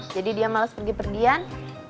jadi dia males pergi pergian